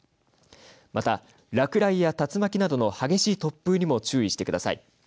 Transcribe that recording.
また落雷や竜巻などの激しい突風にも注意してください。